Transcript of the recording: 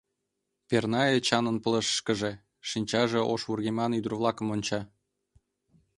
перна Эчанын пылышышкыже, шинчаже ош вургеман ӱдыр-влакым онча.